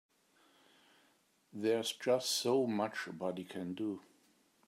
There's just so much a body can do.